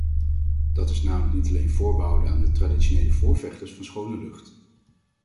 Dat is namelijk niet alleen voorbehouden aan de traditionele voorvechters van schone lucht.